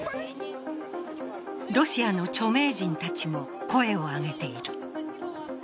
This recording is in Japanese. ロシアの著名人たちも声を上げている。